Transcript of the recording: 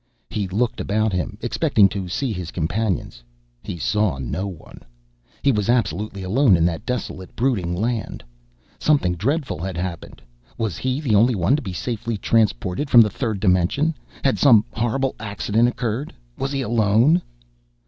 He looked about him, expecting to see his companions. He saw no one. He was absolutely alone in that desolate brooding land. Something dreadful had happened! Was he the only one to be safely transported from the third dimension? Had some horrible accident occurred? Was he alone?